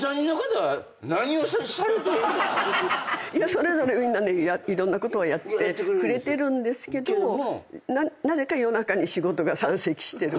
それぞれみんないろんなことやってくれてるんですけどなぜか夜中に仕事が山積してる。